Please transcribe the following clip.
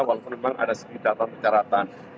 walaupun memang ada sedikit datang pencaratan